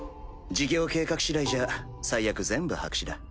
事業計画しだいじゃ最悪全部白紙だ。